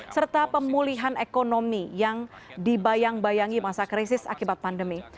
serta pemulihan ekonomi yang dibayang bayangi masa krisis akibat pandemi